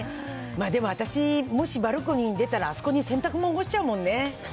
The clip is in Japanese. まあでも私、もしバルコニーに出たら、あそこに洗濯物干しちゃうもんね。